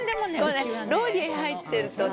「ローリエ入ってるとね